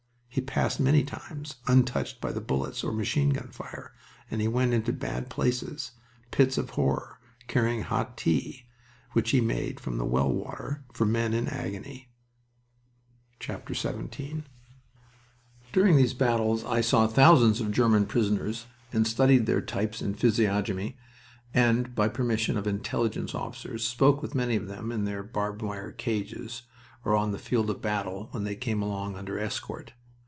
He passed many times, untouched by bullets or machine gun fire, and he went into bad places, pits of horror, carrying hot tea, which he made from the well water for men in agony. XVII During these battles I saw thousands of German prisoners, and studied their types and physiognomy, and, by permission of Intelligence officers, spoke with many of them in their barbed wire cages or on the field of battle when they came along under escort.